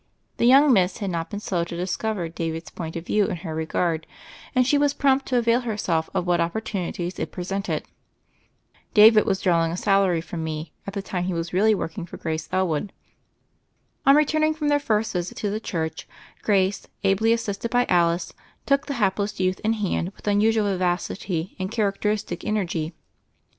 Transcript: The young miss had not been slow to discover David's point of view in her regard, and she was prompt to avail herself of what opportuni ties it presented. David was drawing a salary from me ; at the time he was really working for Grace Elwood. On returning from their first visit to the church, Grace, ably assisted by Alice, took the hapless youth in hand with unusual vivacity and characteristic energy.